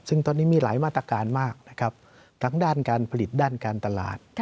ซึ่งตอนนี้มีหลายมาตรการมากนะครับทั้งด้านการผลิตด้านการตลาด